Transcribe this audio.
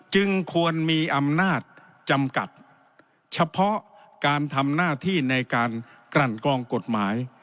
จึงควรมีอำนาจจำกัดเฉพาะการทำหน้าที่ในการกลั่นกรองกฎหมาย